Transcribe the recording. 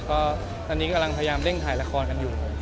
ก็ตอนนี้กำลังพยายามเร่งถ่ายละครกันอยู่